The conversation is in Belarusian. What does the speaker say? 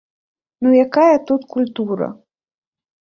Ну якая тут культура?